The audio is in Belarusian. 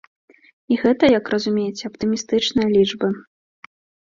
І гэта, як разумееце, аптымістычныя лічбы.